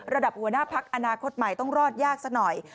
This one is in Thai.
ระดับหัวหน้าพักอนาคตใหม่ต้องรอดยากซะหน่อย